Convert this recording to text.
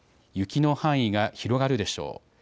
雪の範囲が広がるでしょう。